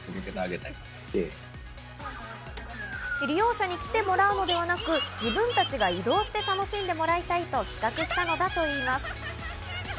利用者に来てもらうのではなく、自分たちが移動して楽しんでもらいたいと企画したのだといいます。